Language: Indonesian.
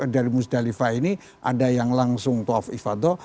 dari musdalifah ini ada yang langsung tawaf ifadah